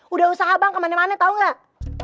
udah usaha bang kemana mana tau gak